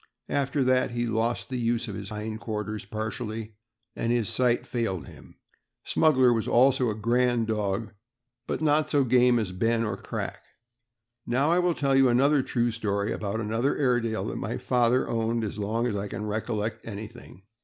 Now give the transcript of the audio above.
After that he iost the use of his hind quarters, partially, and his sight failed him. Smuggler was also a grand dog, but not so game as Ben or Crack. Now I will tell you a true story about another Airedale that my father owned, as long ago as I can recollect anything.